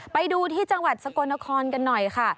ไปดูที่จังหวัดสกลนครกันหน่อยค่ะ